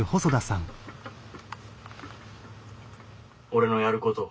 「俺のやること